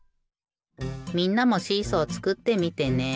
みんなもシーソーつくってみてね。